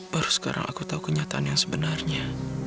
baru sekarang aku tahu kenyataan yang sebenarnya